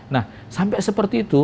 nah sampai seperti itu